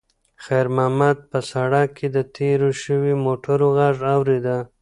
خیر محمد په سړک کې د تېرو شویو موټرو غږ اورېده.